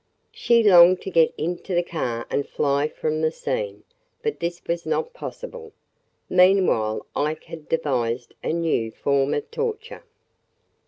She longed to get into the car and fly from the scene, but this was not possible. Meanwhile Ike had devised a new form of torture.